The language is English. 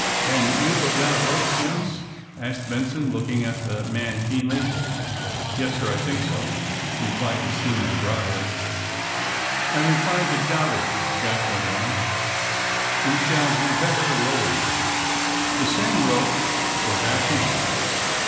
^^Can you go down a rope, SimmsT' asked Benson, looking at the man keenly. *^Yes, sir; I think so," replied the seaman grog gily. ^'1 am inclined to doubt it," Jack went on. We shall do better to lower you." The same rope was at hand.